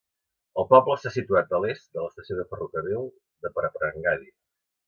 El poble està situat a l'est de l'estació de ferrocarril de Parappanangadi.